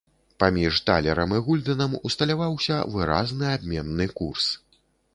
Паміж талерам і гульдэнам усталяваўся выразны абменны курс.